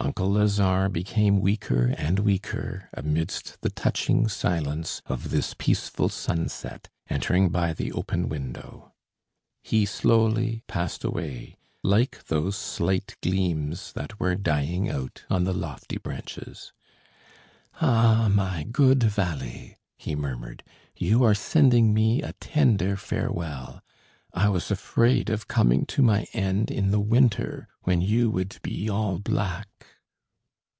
Uncle Lazare became weaker and weaker amidst the touching silence of this peaceful sunset, entering by the open window. He slowly passed away, like those slight gleams that were dying out on the lofty branches. "Ah! my good valley," he murmured, "you are sending me a tender farewell. I was afraid of coming to my end in the winter, when you would be all black."